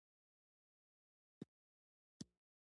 د افغانستان د اقتصادي پرمختګ لپاره پکار ده چې پولي ثبات وي.